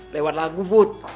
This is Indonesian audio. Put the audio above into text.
lewat lagu bud